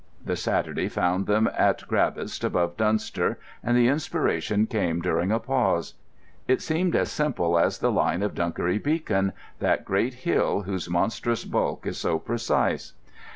The Saturday found them at Grabbist, above Dunster, and the inspiration came during a pause. It seemed as simple as the line of Dunkery Beacon, that great hill whose monstrous bulk is so precise.